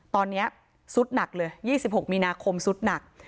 ตอนนี้ซุดหนักเลย๒๖มีนาคมสุดหนัก